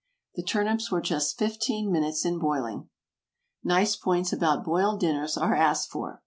The turnips were just fifteen minutes in boiling. Nice points about boiled dinners are asked for.